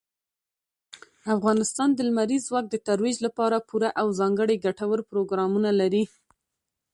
افغانستان د لمریز ځواک د ترویج لپاره پوره او ځانګړي ګټور پروګرامونه لري.